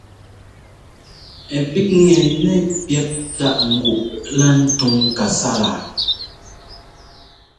Ɛ píkŋɛ nɛ píɛp tâʼ nguʼ lá ntuŋ kasálaa.